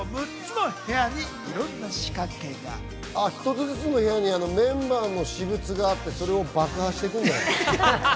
一つずつの部屋にメンバーの私物があってそれを爆破していくんじゃない。